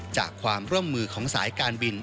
จากความร่วมมือของสายการบิน